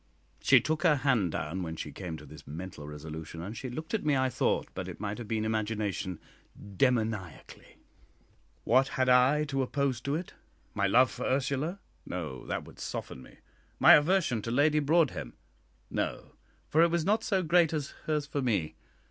She took her hand down when she came to this mental resolution, and she looked at me, I thought, but it might have been imagination, demoniacally. What had I to oppose to it? My love for Ursula? No; that would soften me. My aversion to Lady Broadhem? No; for it was not so great as hers for me.